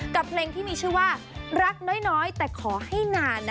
เพลงที่มีชื่อว่ารักน้อยแต่ขอให้นานนะ